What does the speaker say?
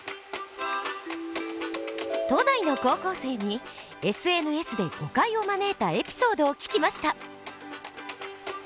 都内の高校生にＳＮＳで誤解を招いたエピソードを聞きました。